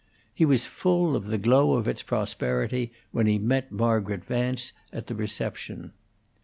He was full of the glow of its prosperity when he met Margaret Vance at the reception.